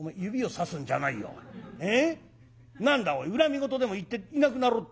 何だおい恨み言でも言っていなくなろうってえのか？」。